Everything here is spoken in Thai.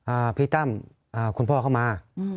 พี่ตั้มอ่าคุณพ่อเข้ามาอืม